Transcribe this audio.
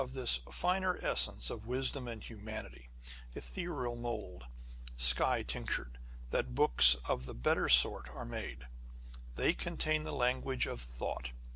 this finer essence of wisdom and humanity " etherial mould, sky tinctured," that books of the better sort are made. They contain the language of thought.